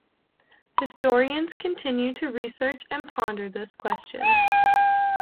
Historians continue to research and ponder this question.